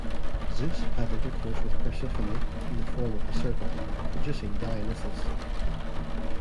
Zeus had intercourse with Persephone in the form of a serpent, producing Dionysus.